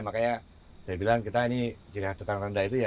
makanya saya bilang kita ini jika tetangga itu ya